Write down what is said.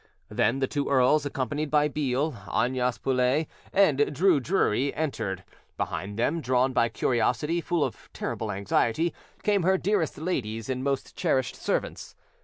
Then the two earls, accompanied by Beale, Arnyas Paulet, and Drue Drury, entered. Behind them, drawn by curiosity, full of terrible anxiety, came her dearest ladies and most cherished servants.